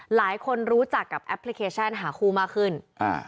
หลายคนรู้จักกับแอปพลิเคชันหาคู่มากขึ้นอ่า